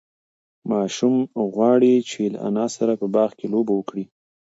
ماشوم غواړي چې له انا سره په باغ کې لوبه وکړي.